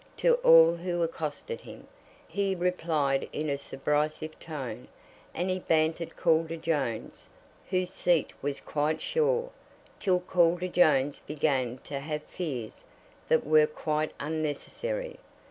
To all who accosted him, he replied in a subrisive tone; and he bantered Calder Jones, whose seat was quite sure, till Calder Jones began to have fears that were quite unnecessary.